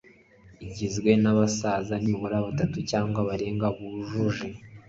igizwe n abasaza nibura batatu cyangwa barenga bujuje